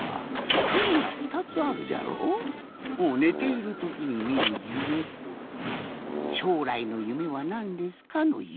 ねているときにみる夢と「しょうらいの夢はなんですか？」の夢。